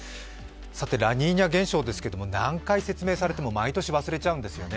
ラニーニャ現象ですけれども何回説明されても毎年忘れちゃうんですよね。